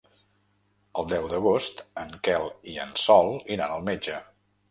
El deu d'agost en Quel i en Sol iran al metge.